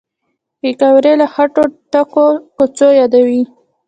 پکورې له خټو ډکو کوڅو یادوي